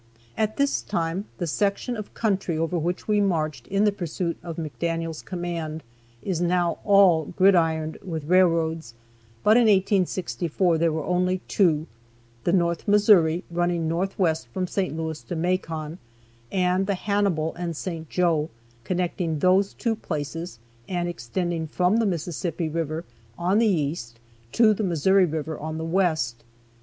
At this time the section of country over which we marched in the pursuit of McDaniel's command is now all gridironed by railroads, but in 1864 there were only two, the North Missouri, running north west from St. Louis to Macon, and the Hannibal and St. Joe, connecting those two places and extending from the Mississippi river on the east to the Missouri river on the west.